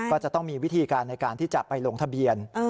ก็จะต้องมีวิธีการในการที่จะไปลงทะเบียน